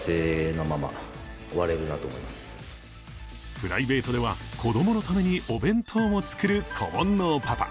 プライベートでは子供のためにお弁当も作る子煩悩パパ。